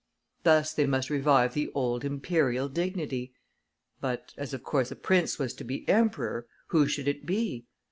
Thus they must revive the old Imperial dignity. But as, of course, a prince was to be emperor who should it be?